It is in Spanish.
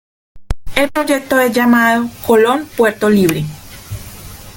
El proyecto es llamado "Colón Puerto Libre".